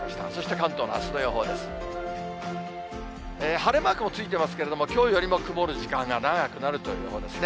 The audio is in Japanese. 晴れマークもついてますけれども、きょうよりも曇る時間が長くなるという予報ですね。